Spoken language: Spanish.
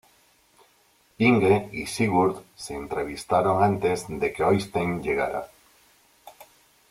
Inge y Sigurd se entrevistaron antes de que Øystein llegara.